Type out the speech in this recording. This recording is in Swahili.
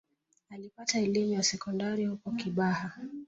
Alipata elimu ya sekondari huko Kibaha